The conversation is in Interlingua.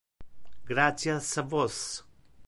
Gratias a vos.